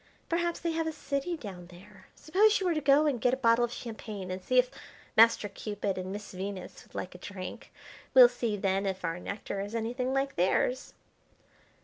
Perhaps they have a city down there. Suppose you were to go and get a bottle of champagne and see if Master Cupid and Miss Venus would like a drink. We'll see then if our nectar is anything like theirs."